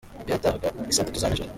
We yatahaga I saa tatu za nijoro .